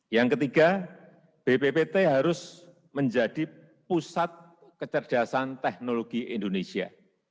yang ketiga bppt harus menjadi pusat kecerdasan teknologi indonesia